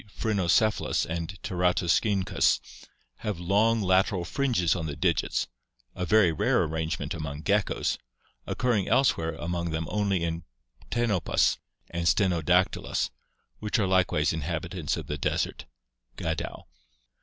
Phrynocephalus and Teratoscinctis, have long lateral fringes on the digits, a very rare arrangement among geckoes, occurring elsewhere among them only in Ptenopus and Stenodactylus, which are likewise inhabitants of the desert (Gadow).